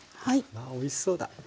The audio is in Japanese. わあおいしそうだ。